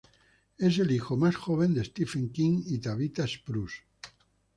Es el hijo más joven de Stephen King y Tabitha Spruce.